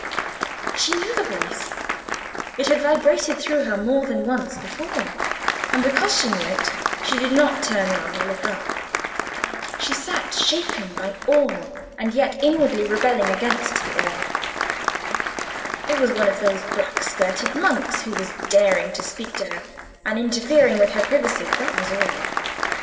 She knew the voice: it had vibrated through her more than once before; and because she knew it, she did not turn round or look up. She sat shaken by awe, and yet inwardly rebelling against the awe. It was one of those black skirted monks who was daring to speak to her, and interfere with her privacy: that was all.